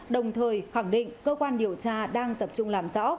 đồng thời khẳng định cơ quan điều tra đang tập trung làm rõ